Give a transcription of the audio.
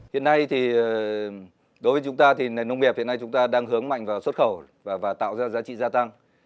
hiện nay thì đối với chúng ta thì nông nghiệp hiện nay chúng ta đang hướng mạnh vào xuất khẩu và tạo ra giá trị gia tăng